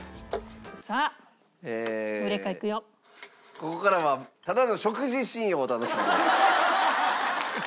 ここからはただの食事シーンをお楽しみください。